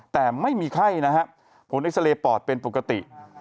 แต่ไม่มีไข้นะครับผลอิสระปอดเป็นปกติ